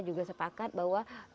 juga sepakat bahwa